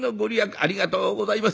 ありがとうございます」。